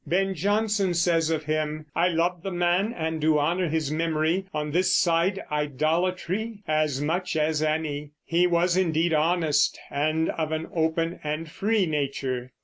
Ben Jonson says of him: "I loved the man and do honor his memory, on this side idolatry, as much as any. He was indeed honest, and of an open and free nature."